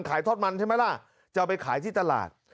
ขายทอดมันใช่ไหมล่ะจะเอาไปขายที่ตลาด